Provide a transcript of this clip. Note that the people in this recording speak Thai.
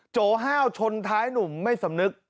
โจห้าวชนท้ายหนุ่มไม่สำนึก